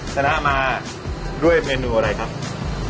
ชนะมาด้วยเมนูอะไรครับ